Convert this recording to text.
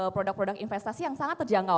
produk produk investasi yang sangat terjangkau